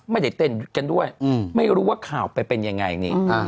ไม่ได้เต้นกันด้วยไม่รู้ว่าข่าวไปเป็นยังไงนี่